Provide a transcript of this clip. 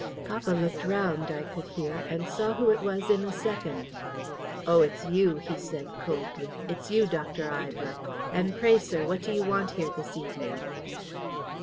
Papa looked round, I could hear, and saw who it was in a second. "'Oh, it's you!' he said, coldly. 'It's you, Dr. Ivor. And pray, sir, what do you want here this evening?'"